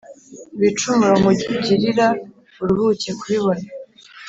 Ibicumuro nkugilira Uruhuke kubibona